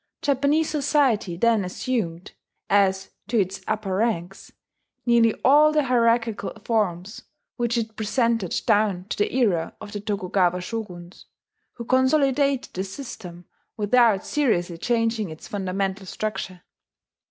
Japanese society then assumed, as to its upper ranks, nearly all the hierarchical forms which it presented down to the era of the Tokugawa shoguns, who consolidated the system without seriously changing its fundamental structure.